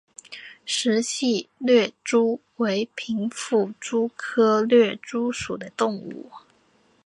石隙掠蛛为平腹蛛科掠蛛属的动物。